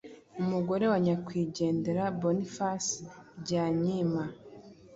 umugore wa nyakwigendera Boniface Byanyima